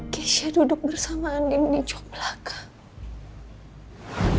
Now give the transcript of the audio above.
keisha duduk bersama andi menicok belakang